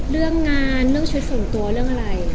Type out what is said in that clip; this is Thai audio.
เรื่องงานเรื่องชุดส่วนตัวเรื่องอะไร